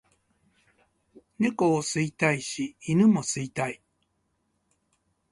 猫を吸いたいし犬も吸いたい